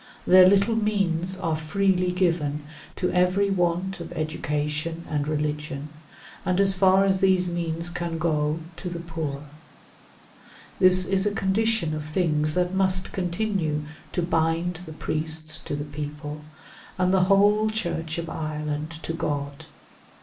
Their little means are freely given to every want of education and religion, and, as far as these means can go, to the poor. This is a condition of things that must continue to bind the priests to the people, and the whole Church of Ireland to God.